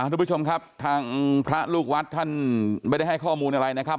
ทุกผู้ชมครับทางพระลูกวัดท่านไม่ได้ให้ข้อมูลอะไรนะครับ